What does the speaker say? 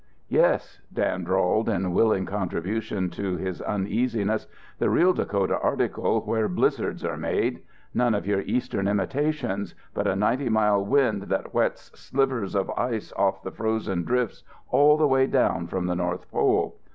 "Yes," Dan drawled in willing contribution to his uneasiness, "the real Dakota article where blizzards are made. None of your eastern imitations, but a ninety mile wind that whets slivers of ice off the frozen drifts all the way down from the North Pole.